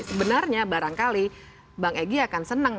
sebenarnya barangkali bang egy akan senang